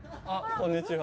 こんにちは。